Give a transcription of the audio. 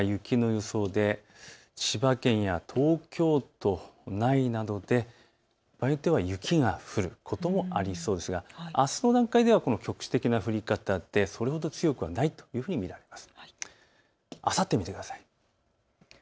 遅くなればなるほど水色というのは雨か雪の予想で千葉県や東京都内などで場合によっては雪が降ることもありそうですが、あすの段階では局地的な降り方でそれほど強くはないと見られます。